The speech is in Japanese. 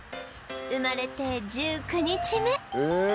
生まれて１９日目